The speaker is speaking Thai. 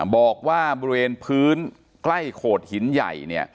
บอกว่าบริเวณพื้นใกล้โขดหินใหญ่